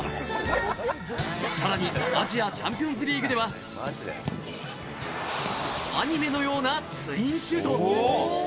さらにアジアチャンピオンズリーグでは、アニメのようなツインシュート。